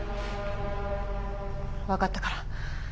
分かったから。